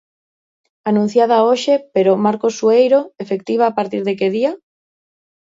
Anunciada hoxe pero, Marcos Sueiro, efectiva a partir de que día?